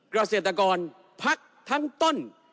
เกษตรกรพักทั้งต้น